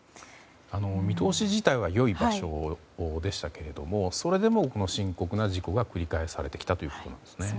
見通し自体は良い場所でしたけれどもそれでも、深刻な事故が繰り返されてきたんですね。